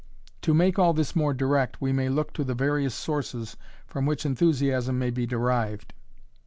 To make all this more direct we may look to the various sources from which enthusiasm may be derived.